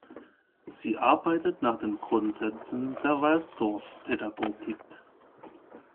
Sie arbeitet nach den Grundsätzen der Waldorfpädagogik.